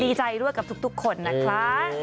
ดีใจด้วยกับทุกคนนะคะ